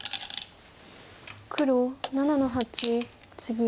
黒７の八ツギ。